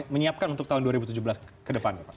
menyiapkan untuk tahun dua ribu tujuh belas ke depan